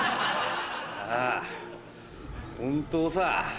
ああ本当さ。